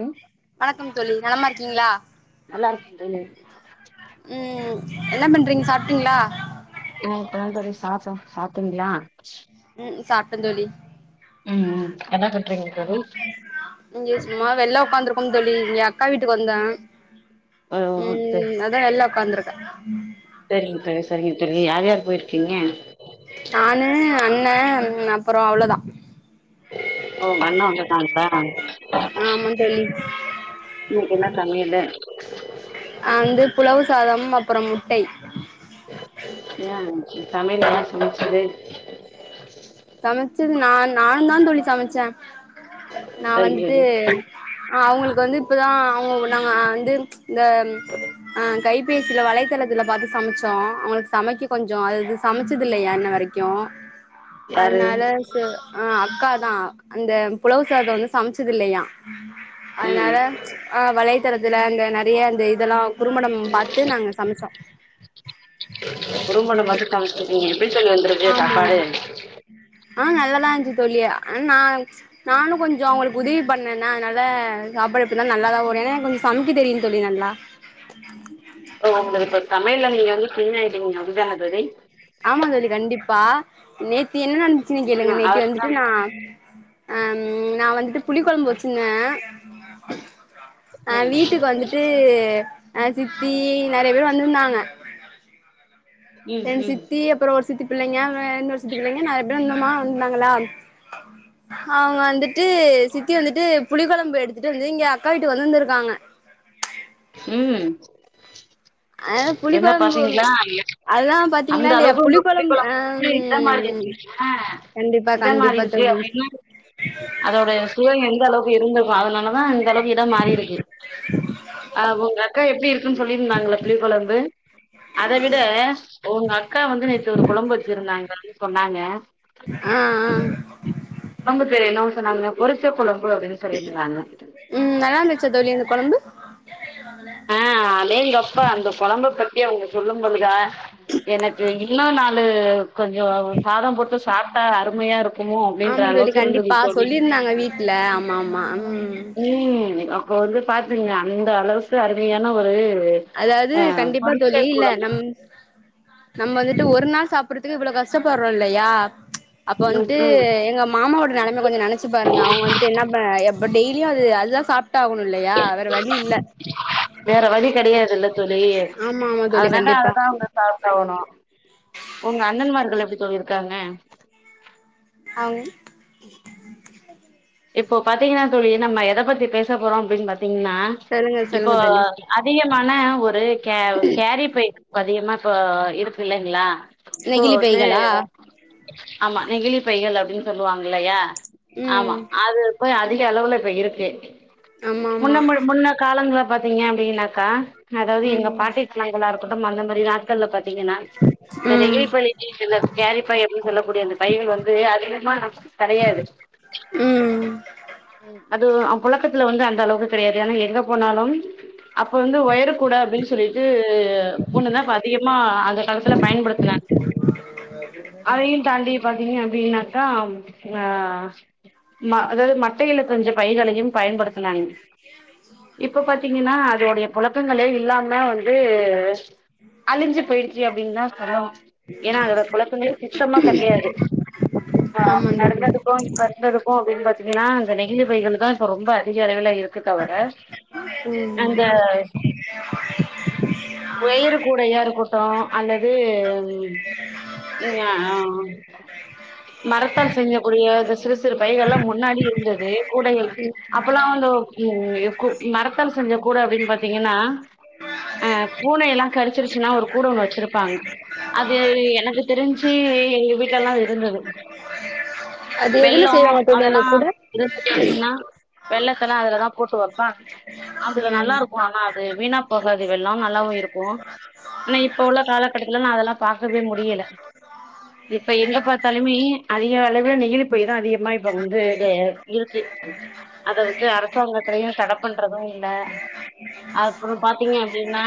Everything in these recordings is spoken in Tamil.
ம் வணக்கம் தோழி நளமா இருக்கீங்களா நல்லா இருக்கும் டிரைனிங் உம் என்ன பண்றீங்க சாப்பிட்டீங்களா ஆஹ இப்பத பரி சாப்படொம் சாப்பிடிங்கில உம் சாப்பிட்டொம் தோழி உம் உம் என்ன பண்ணி இங்க சும்மா வெல்ல உக்காந்து இருக்கம் பந்தொழி இங்க அக்கா வீட்டுக்கு வந்தேன் ஓ உம் அதது எல்லா உக்காந்தருக்கு த சரிங்க தெழ சரிங்க தெழ யார் யார் போயிருக்கீங்க என்ன அப்புறம் அவ்வளோதான் ஓ அண்ண வந்து இருக்கங்கல ஆமா தோழி நீ என்ன சமையுலு [unintelligible] அஹ் வந்து புளவு சாதம் அப்புறம் முட்டை ம் ம் சமையலு எல்லா சமைச்சது சமைச்சது நா நான்தா தோழி சமைச்சே நா சரிங்க வந்துட்டு தோழி ஆ அவுங்களுக்கு வந்து இப்பதா அவுங்க நாங்க வந்து இந்த அஹ் கைபேசில வலைத்தளத்துல பாத்து சமைச்சோ அவங்களுக்கு சமைக்க கொஞ்ச அது சமைச்சது இல்லையா இன்ன வரைக்கு யாரு அதனால சோ ஆஹ் அக்காதா அந்த புலவு சாதோ வந்து சமைச்சது இல்லையா ம் அதனால ஆஹ் வலைத்தளத்துல அந்த ந நிறைய அந்த இதெல்லா குறும்படம் பாத்து நாங்க சமைச்சோ க்கன் வெந்திருக்கு சாப்பாடு [unintelligible] ஆஹ் நல்லாதா இருந்துச்சு தோழி ஆனா நா நானு கொஞ்ச அவங்களுக்கு உதவி பண்ணேனா அதனால சாப்பாடு எப்டி இருந்தாலு நல்லாதா வரு ஏன்னா எனக்கு கொஞ்சம் சமைக்க தெரியு தோழி நல்லா ஓ இப்ப சமயல்ல நீங்க வந் சின் ஆயிட்டீங்க அப்டிதான தோழி ஆமா தோழி கண்டிப்பா நேத்து என்னன் [unintelligible] கேளுங்க ம் நேத்தி அவருக்குதா வந்துட்டு நா அம் உம் நா வந்துட்டு புளிக்கொழம்பு வச்சிருந்தே [unintelligible] அ ம் வீட்டுக்கு வந்துட்டு அஹ் சித்தி நெறைய பேர் வந்துருந்தாங்க எங் ம் ம் சித்தி அப்புறோ ஒரு சித்தி பிள்ளைங்க ஆ இன்னொரு சித்தி பிள்ளைங்க நெறைய பேர் [unintelligible] வந்திருந்தாங்களா அவங்க வந்துட்டு சித்தி வந்துட்டு புளி கொழம்பு எடுத்துட்டு வந்து இங்க அக்கா வீட்டுக்கு கொண்டு வந்துருக்காங்க உம் அதா எண்ண புளிக்கொழம்பு பாத்தீங்களா அதுல அதெல்லா பாத்தீங்களா அந்த இல்லையா அளவுக்கு உங்க புளி புளிக்கொழம்பு கொழம்பு ஆ வந்து இதமா ம் இருக்கு ஆ கண்டிப்பா இதமா கண்டிப்பா இருக்கு தோழி அப்டினு அதோட சுவை எந்த அளவுக்கு இருந்திருக் ஓ அதனாலதா அந்தளவு இடம் மாறி இருக்கு அஹ் உங்க அக்கா எப்டி இருக்குன்னு சொல்லிருந்தாங்களா புளிக் கொழம்பு அத விட உங்க அக்கா வந்து நேத்து ஒரு கொழம்பு வச்சிருந்தாங்க [unintelligible] சொன்னாங்க ஆஹ் ஆஹ் கொழம்பு பேரு என்னான்னு சொன்னாங்க பொரிச்ச கொழம் உம் நல்லாருந்துச்சா தோழி அந்த கொழம்பு ஆஹ் அடேங்கப்பா அந்த கொழம்ப பத் இப்பயு அவங்க சொல்லும் பொழுதா எனக்கு இன்னு நாலு கொஞ்சோ சாதம் போட்டு சாப்ட்டா அருமையா இருக்குமோ அப்டின்ற அளவுக்கு இருந்துது தோழி இல்ல ஆமா ஆமா ம் ம் அப்ப வந்து பாத்துக்கங்க அந்த அளவுக்கு அருமையான ஒரு அதாவது ஆ கண்டிப்பா பொரிச்ச தோழி இல்ல குழம்பு நம் நம்ம வந்துட்டு ஒரு நாள் சாப்டுறதுக்கு இவ்ளோ கஷ்டப்படுறோ இல்லையா அப்ப ம் வந்துட்டு ம் எங்க மாமாவோட நிலைமை கொஞ்சம் நினைச்சு பாருங்க அவங்க வந்துட்டு என்ன டெய்லி அது அதுதான் சாப்டு ஆகணும் இல்லயா வேற வழி இல்ல வேற வழி கெடையாதுல்ல ஆமா ஆமா தோழி அதனால கண்டிப்பா அதுதான் உங்க சாப்டுஆகணும் உங்க அண்ணன்மார்கள் எப்படி தோழி இருக்காங்க அவ இப்போ பாத்தீங்கன்னா தோழி நம்ம எத பத்தி பேச போறோம் அப்டின்னு பாத்தீங்க சொல்லுங்க இப்போ சொல்லுங்க தோழி அதிகமான ஒரு கே கேரி பை அதிகமா இப்ப இருக்கு இல்லங்களா ஓ நெகிழி அது பைகளா ஆமா நெகிழிப்பைகள் அப்டின்னு சொல்லுவாங்க இல்லயா ம் கொஞ்சம் அதிக அளவுல இப்ப இறடருக்கு ஆமா ஆமா முன்ன மு முன்ன காலங்களளை பாத்தீங்க அப்டின்னாக்கா அதாவது எங்க ம் பாட்டி சினங்களா இருக்கட்டும் அந்த மாரி கல்லத்த ங்கா இந்த நெகி ம் பி இந்த கேரிப்பை எப்டின்னு சொல்லக்கூடிய அந்த பைகள் வந்து அதிகமா கெடையாது ம் [unintelligible] அது அவ புழக்கத்துல வந்து அந்த அளவுக்கு கெடையாது ஏன்னா எங்க போனாலும் அப்ப வந்து ஒயர் கூட அப்டின்னு சொல்லிட்டு ஒண்ணு தான் அதிகமா அந்த காலத்துல பயன்படுத்தினேன் அதயும் தாண்டி பாத்தீங்க அப்டின்னாக்கா அதாவது ம மட்டயில் செஞ்ச பைகளையும் பயன்படுத்த சொங்க இப்ப பாத்தீங்கன்னா அதோடைய புழக்கங்களே இல்லாம வந்து அழிஞ்சு போயிடுச்சு அப்டின்னு தான் சொல்லோம் ஏன்னா அதோட குழக்கங்க சுற்றமா கிடையாது ஆஹ் ஆமா தோழி நடந்ததுக்கும் இப்ப இருக்கும் அப்டின்னு பாத்தீங்கன்னா நெகிழ்ச பைகள் தான் இப்ப ரொம்ப அதிக அளவ இருக்கு தவிர அந்த உயிறு கூடயா இருக்கட்டும் அல்லது மரத்தால் செய்யக்கூடிய சிறு சிறு பைகள் எல்லாம் முன்னாடி இருந்தது கூடைகள் ம் அப்பல்லாம் வந்து உ மரத்தல் செஞ்ச கூட அப்டின்னு பாத்தீங்கன்னா அஹ் பூனை எல்லாம் கரிச்சிருச்சுன்னா ஒரு கூட ஒண்ணு வச்சிருப்பாங்க அது எனக்கு தெரிஞ்சு எங்க வீட்டுயெல்லாம் அது இருந்தது அது எதுல செய்வாக தோழி கூட என்த்தா கேச்சின்னா வெள்ளத்தெல்லாம் அதுலதான் போட்டு வைப்பாங்க அதுல நல்லா இருக்கும் ஆனா அது வீணா போகாது வெள்ளம் நல்லாவும் இருக்கும் ஆனா இப்ப உள்ள காலக்கட்டத்துல நான அதெல்லாம் பாக்கவே முடியல இப்ப எங்க பாத்தாலுமே அதிக அளவுல நெகிழி போய்தான் அதிகமா இப்ப வந்து இருக்கு அத வந்து அரசாங்கத்திலயையும் தட பண்றதும் இல் அப்பறம் பாத்தீங்க அப்டின்னா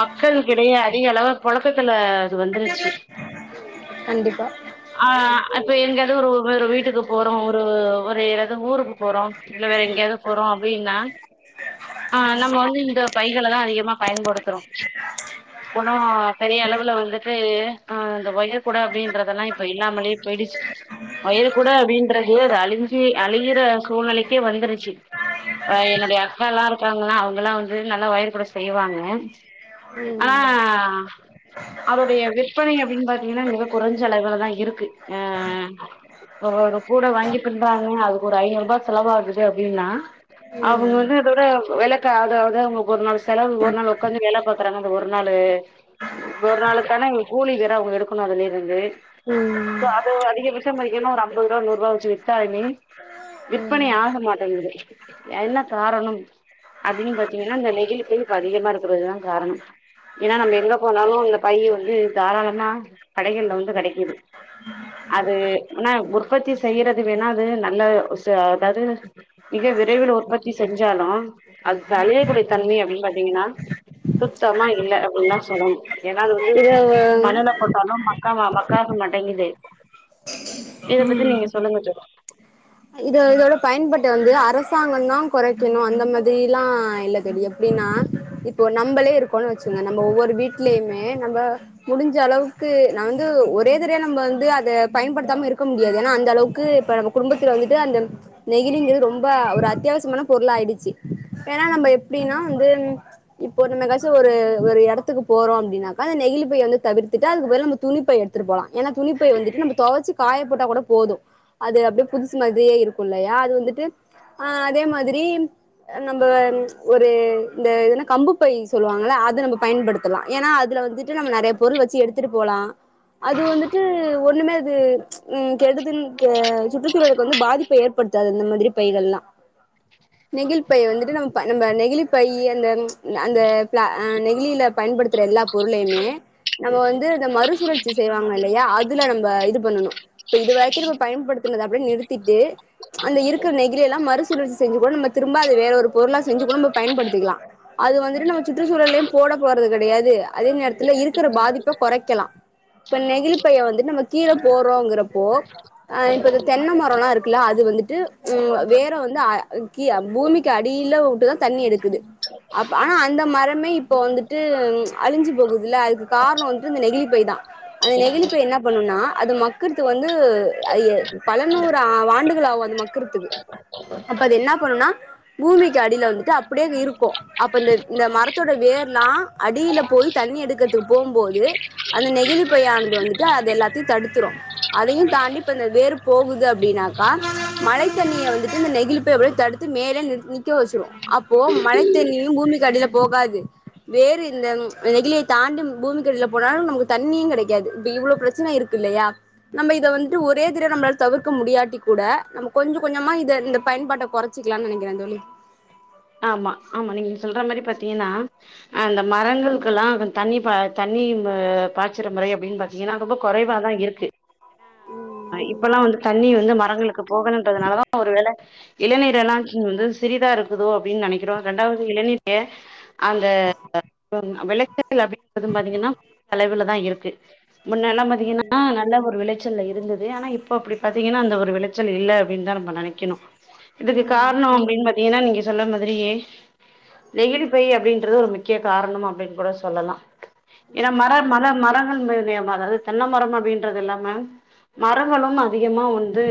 மக்களுக்கிடையே அதிக அளவு புழக்கத்துல அது வந்துருச்சு கண்டிப்பா ஆ இப்ப எங்காவது ஒரு வீட்டுக்கு போறோம் ஒரு ஒரு ஏதாவது ஊருக்கு போறோம் இல்ல வேற எங்கேயாவது போறோம் அப்டின்னா ஆ நம்ம வந்து இந்த பைகல்லதாம் அதிகமா பயன்படுத்துறோம் போன பெரிய அளவுல வந்துட்டு அஹ இந்த ஒயர் கூட அப்டின்றதெல்லாம் இப்ப இல்லாமலேயே போயிடுச்சு ஒயர் கூட அப்டின்றது பொர் அழிஞ்சி அழிகிற சூழ்நிலைக்கே வந்துருச்சுஆ என்னுடைய அக்கா எல்லாம் இருக்காங்கன்னா அவங்கல்லாம் வந்து நல்லா ஒயர் கூட செய்வாங்க ஆனா ம் அவருடைய விற்பனை அப்டின்னு பாத்தீங்கன்னா மிக குறைஞ்ச அளவுலதான் இருக்குஹ ஒரு கூட வாங்கி பின்றாங்க அதுக்கு ஒரு ஐந்நூறு ரூபாய் செலவ ஆகுது அப்டின்னா அவங்க ம் வந்து அதோட விளக்க அதாவது அவங்களுக்கு ஒரு நாள் செலவு ஒரு நாள் உ்காந்து வேல பாக்குறாங்க அந்த ஒரு நாள் ஒரு நாளுக்கான கூலி வேற அவங்க எடுக்கணும் அதுலய இருந்து ம் சோ அது அதிகபட்சமா பத்திங்கனா ஒரு ஐம்பது ரூபா நூறு போட்டு வித்தாலுமே விற்பனை ம் ஆக மாட்டேங்குது என்ன காரணம் அப்டின்னு பாத்தீங்கன்னா நெகிழ்சின் பலி இது மாறிப்பேறுல்தான் காரணம் ஏன்னா நம்ம எங்க போனாலும் அந்த பைய வந்து தாராளம்னா கடகள்ல வந்து கெடைக்குது அது ஆனா உற்பத்தி செய்யறது வேணா அது நல்ல அதாவது மிக விரைவில் உற்பத்தி செஞ்சாலும் அது தழிய குடிய தன்மை அப்டின்னு பாத்தீங்கன்னா சுத்தமா இல்ல அப்டின்னுதான் சொல்லணும் ஏன்னா அது வந்து இது மண்ணல போட்டாலும் மக் அமா மக்காக்க மாடங்குது ம் இ இதோட பயன்பட்ட வந்து அரசாங்கம் தான் குறைக்கணும் அந்த மாரி எல்லாம் இல்லதோழி எப்டின்னா இப்போ நம்மளே இருக்கோம் வச்சுங்க நம்ம ஒவ்வொரு வீட்லயுமே நம்ம முடிஞ்ச அளவுக்கு நான வந்து ஒரே தடய நம்ம வந்து அதை பயன்படுத்தாம இருக் முடியாது ஏன்னா அந்த அளவுக்கு இப்ப நம்ம குடும்பத்துல வந்துட்டு அந்த நெகிழிங்கிறது ரொம்ப ஒரு அத்தியாவசமான பொருள் ஆாயிடுச்சு ஏன்னா நம்ம எப்டின்னா வந்து இப்போ நம்ம எச்சும் ஒரு ஒரு இடத்துக்கு போறோம் அப்டின்னாக்கா அந்த நெகிழிப்பையை வந்து தவிர்த்துட்டு அதுக்கு போ நம்ம துணிப்பை எடுத்துட்டு போலாம் ஏன்னா துணிப்பை வந்துட்டு நம் துவச்சுக் காய போட்டா கூட போதும் அது அப்டியே புதுசு மாரியே இருக்கும் இல்லயா அது வந்துட்டு அ அதே மாரி நம்ம ஒரு இந்த இதுன்னா கம்பு பை சொல்லுவாங்கள அது நம்ம பயன்படுத்தலாம் ஏன்னா அதுல வந்துட்டு நம்ம நெறைய பொருள் வச்சு எடுத்துட்டு போலாம் அது வந்துட்டு ஒண்ணுமே கேப் ம் கெடுதுன்னு சுற்றுச்சூழுக்கு வந்து பாதிப்பை ஏற்படுத்தாது அந்த மாரி பைகள் எல்லாம் நெகிழ் பை வந்துட்டு நம்ம நம்ம நெகிழ்பை அந்த அந்த பலநெகழியில பயன்படுத்த அந்த எல்லாம் பொருளையுமே நம்ம வந்து இந்த மறுசுழற்சி செய்வாங்க இல்லையா அதுல நம்ம இது பண்ணணும் இப்ப இது வரைக்கும் நம்ம பயன்டுத்துனது அப்டியின்னு நிறுத்திட்டு அந்த இருக்கிற நெகிழி எல்லாம் மறுசுழற்சி செஞ்சு கூட நம்ம திரும்ப அது வேற ஒரு பொருளா செஞ்சு கூட நம்ம பயன்டுத்திக்கலாம் அது வந்துட்டு நம்ம சுற்றுச்சூழலயும் போட போறது கிடையாது அதே நேரத்து இருக்கிற பாதிப்பை குறைக்கலாம் இப்ப நெகிழி பைய வந்து நம்ம கீழ போறோம்ங்கிற இப்போ இந்த தென்னை மரம் எல்லாம் இருக்குல்ல அது வந்துட்டு வேற வந்து பூமிக்கு அடியில வுட்டுதா தண்ணி எடுக்குது ஆனா அந்த மரமே இப்ப இப்போ வந்துட்டு அழிஞ்சு போகுதுல்ல அதுக்கு காரண வந்துட்டு இந்த நெகிழி பை தா அந்த நெகிழிப்பை என்ன பண்ணும்னா அது மக்குர இத்து வந்து ஐ பல நூறு ஆண்டுகள [unintelligible] அது மக்குறத்துக் அப்ப அது என்ன பண்ணனா பூமிக்கு அடியில வந்துட்டு அப்டே இருக்கு அப்ப இந்த இந்த மரத்தோட வேர் எல்லா அடியில போய் தண்ணி எடுக்கிறதுக்கு போம்போது அந்த நெகிழிப்பையானது வந்துட்டு அது எல்லாத்தையும் தடுத்துரும் அதயு தாண்டி இப்ப இந்த வேறு போகுது அப்டின்னாக்கா மழ தண்ணிய வந்துட்டு இந்த நெகிழி போய் எப்டிய தடுத்து மேலே நிக்க வச்சிரு அப்போ மழ தண்ணியு பூமி கடியில போகாது வேறு இந்த நெகிலியை தாண்டி பூமி கடியில போனாலு நமக்கு தண்ணியு கெடக்காது இப்ப இவ்ளோ பிரச்சன இருக்கு இல்லயா நம்ப இத வந்துட்டு ஒரே தட நம்பளால தவிர்க்க முடியாட்டி கூட நம்ப கொஞ்ச கொஞ்சமா இத இந்த பயன்பாட்ட குறைச்சிக்கலானு நினைக்கிறே தொலி ஆமா ஆமா நீங்க சொல்ற மாரி பாத்தீங்கன்னா ஆ அந்த மரங்களுக்கெல்லா தண்ணி பா தண்ணி பாய்ச்சிற முறை அப்பிடின்னு பாத்தீங்கன்னா ரொம்ப குறைவாதா இருக்கு ஏன்னா இப்பெல்லா வந்து தண்ணி வந்து மரங்களுக்கு போகணுன்றதுனாலதா ஒரு வேள இளநீர் எளா வந்து சிறிதா இருக்குதோ நெனைக்கிறோ இரண்டாவது இளநில அந்த விளச்ச அப்படிங்கற ப பாத்தீங்கன்னா அவு தான் இருக்கும் கே முன்ன எல்லா பாத்தீங்கன்னா நல்ல ஒரு விளைச்சல இருந்தது ஆனா இப்போ அப்பிடி பாத்தீங்கன்னா அந்த ஒரு விளச்சல் இல்ல அப்பிடின்னு தா நம்ப நெனைக்கிணு இதுக்கு காரண அப்பிடின் பாத்தீங்கன்னா நீங்க சொல்ல மாரியே நெகிழிப்பை அப்பிடின்றது ஒரு முக்கிய காரண அப்பிடினு கூட சொல் சொல்லலாம் ஏனா மர மர மரங்கள் மு அதது தென்னை மர அப்பிடின்றது எல்லாம மரங்களு நா அதிகமா வந்து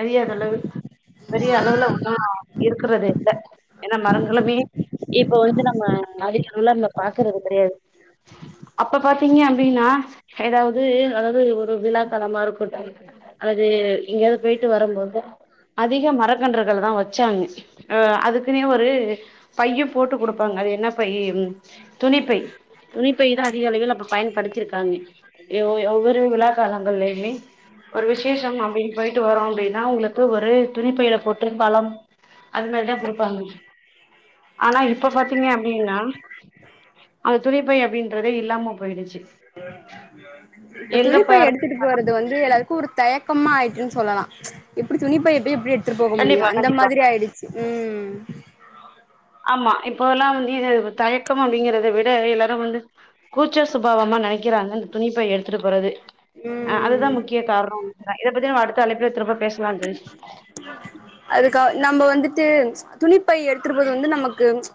தெரியாத அளவு பெரிய அளவுல ஒன்னா இரு இருக்குறதே ஏன்னா மரந்துருவியே இப்ப வந்து நம்ம அதிக நல்லா நம்ம பாக்குறது கிடையாது அப்ப பாத்தீங்க அப்பிடினா எதாவது அதாது ஒரு விழாக்கலமா இருக்கட்டு அது இங்கேயாவது போய்ட்டு வரும்போது அதிக மரக்கன்றுகள் தா வச்சாங்க அ அதுக்கினே ஒரு பையு போட்டு குடுப்பாங்க அது என்ன பைய துணிப்பை துணிப்பைதா அதிக அளவில் நம் பயன்படுத்திருக்காங்க ஒவ்வொரு விழாக்காலங்களிலேயுமே ஒரு விசேஷ அப்பிடினு போயிட்டு வரும்போது அப்பிடின்னா உங்களுக்கு ஒரு துணிப்பையில போட்டு பழம் அது மாதிரிதான குடுப்பாங்க ஆனா இப்ப பாத்தீங்க அப்பிடினா அந்த துணிப்பை அப்பிடின்றதே இல்லாம போயிடுச்சு இப்ப எங்க துணிப்பைய பாரு எடுத்துட்டு போறது வந்து எல்லாருக்கு ஒர் தயக்கமா ஆயிட்டுன்னு சொல்லலா எப்படி சொல்லிட்ட எப்பய எப்படி எடுத்துரு போக கண்டிப்பா முடியும் அந்த கண்டிப்பா மாரி ஆயிடுச்சு ம் ஆமா இப்பெல்லா வந்து இது தயக்க அப்புடிங்கறத விட எல்லாரு வந்து கூச்ச சுவபாவமா நெனைக்கிறாங்க அந்த துணிபை எடுத்து எடுதுடு போறது அஹ அதுதா ம் முக்கிய காரணம் இத பத்தி நா அடுத்த அழைப்புல திரும்ப பேசலாம் க நம்ம வந்துட்டு ச்சு துணிப்பை எடுத்துட்டு போதாது வந்துட்டு நமக்கு